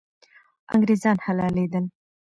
انګریزان حلالېدل.